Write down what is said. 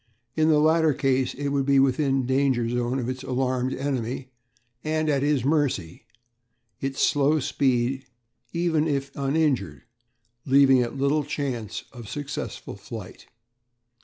In the latter case it would be within the danger zone of its alarmed enemy and at his mercy, its slow speed (even if uninjured) leaving it little chance of successful flight.